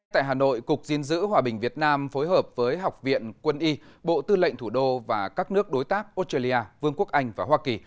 tại hà nội cục diên giữ hòa bình việt nam phối hợp với học viện quân y bộ tư lệnh thủ đô và các nước đối tác australia vương quốc anh và hoa kỳ